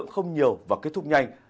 không nhiều và kết thúc nhanh